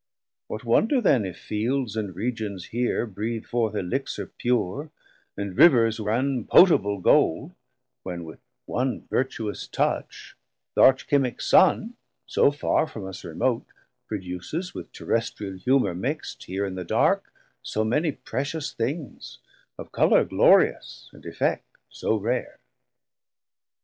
What wonder then if fields and regions here Breathe forth Elixir pure, and Rivers run Potable Gold, when with one vertuous touch Th' Arch chimic Sun so farr from us remote Produces with Terrestrial Humor mixt 610 Here in the dark so many precious things Of colour glorious and effect so rare?